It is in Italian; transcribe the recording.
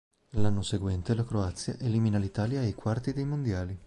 L’anno seguente la Croazia elimina l’Italia ai quarti dei mondiali.